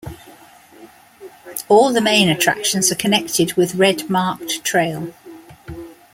All the main attractions are connected with red-marked trail.